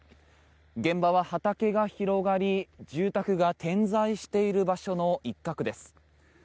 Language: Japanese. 現場は畑が広がり、住宅が点在している場所の一角です。